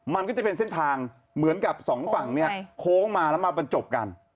มันก็จะเป็นเส้นทางเหมือนกับสองฝั่งเนี่ยโค้งมาแล้วมาบรรจบกัน